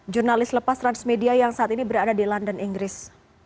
jurnalis lepas transmedia yang saat ini berada di london inggris